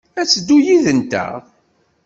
Ad d-teddu yid-nteɣ?